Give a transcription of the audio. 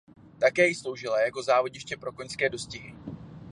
Také již sloužila jako závodiště pro koňské dostihy.